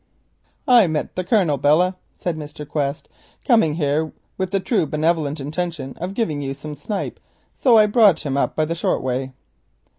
"I met the Colonel, Belle," said Mr. Quest, "coming here with the benevolent intention of giving you some snipe, so I brought him up by the short way."